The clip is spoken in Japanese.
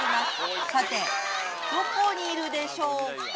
さてどこにいるでしょうか？